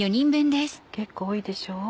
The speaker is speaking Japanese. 結構多いでしょう？